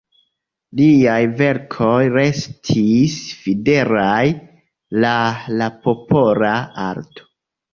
Liaj verkoj restis fidelaj la la popola arto.